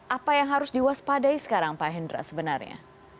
apa yang harus diwaspadai sekarang pak hendra sebenarnya